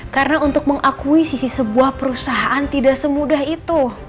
karena untuk mengakui sisi sebuah perusahaan tidak semudah itu